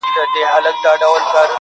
حقيقت لا هم مبهم پاتې دی,